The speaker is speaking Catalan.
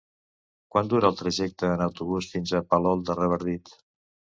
Quant dura el trajecte en autobús fins a Palol de Revardit?